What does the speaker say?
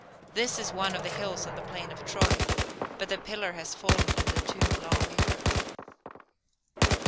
This is one of the hills on the plain of Troy, but the pillar has fallen from the tomb, long ago.